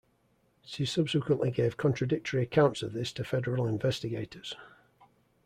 She subsequently gave contradictory accounts of this to federal investigators.